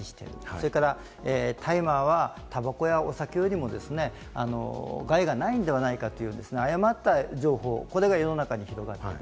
それから、大麻はタバコやお酒よりも害がないのではないかという誤った情報、これが世の中に広まっている。